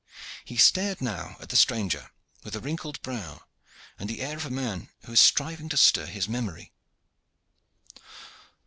He stared now at the stranger with a wrinkled brow and the air of a man who is striving to stir his memory.